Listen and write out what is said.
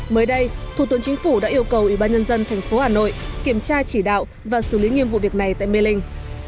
mới đây thủ tướng chính phủ đã yêu cầu ủy ban nhân dân thành phố hà nội kiểm tra chỉ đạo và xử lý nghiêm vụ việc này tại mê linh